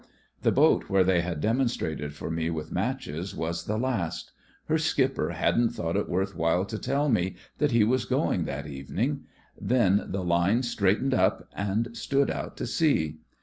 The boat where they had demonstrated for me with matches was the last. Her skipper hadn't thought it worth while to tell me that he was going that evening. Then the line straightened up and stood out to sea.